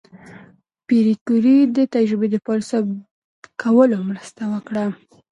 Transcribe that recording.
پېیر کوري د تجربې د پایلو ثبت کولو مرسته وکړه.